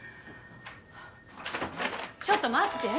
ちょっと待って。